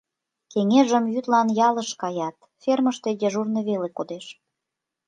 Кеҥежым йӱдлан ялыш каят, фермыште дежурный веле кодеш.